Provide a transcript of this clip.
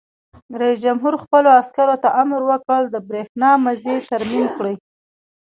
رئیس جمهور خپلو عسکرو ته امر وکړ؛ د برېښنا مزي ترمیم کړئ!